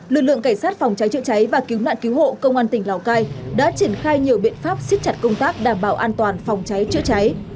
lực lượng cảnh sát phòng cháy chữa cháy và cứu nạn cứu hộ công an tỉnh lào cai đã triển khai nhiều biện pháp siết chặt công tác đảm bảo an toàn phòng cháy chữa cháy